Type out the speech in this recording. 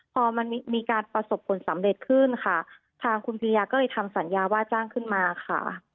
พอมันมีการประสบผลสำเร็จขึ้นค่ะทางคุณพิริยาก็เลยทำสัญญาว่าจ้างขึ้นมาค่ะ